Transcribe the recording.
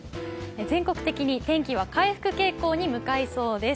全国的に天気は回復傾向に向かいそうです。